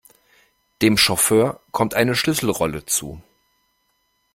Dem Chauffeur kommt eine Schlüsselrolle zu.